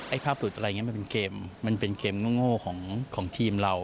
ภาพหลุดอะไรอย่างนี้มันเป็นเกมมันเป็นเกมโง่ของทีมเรา